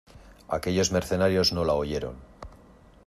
aquellos mercenarios no la oyeron.